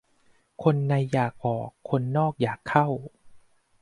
คนในอยากออก คนนอกอยากเข้า